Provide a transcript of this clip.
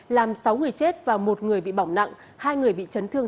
làm sáu người chết và một người bị bỏng nặng hai người bị chấn thương